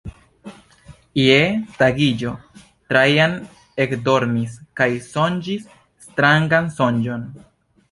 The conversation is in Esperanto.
Je tagiĝo Trajan ekdormis kaj sonĝis strangan sonĝon.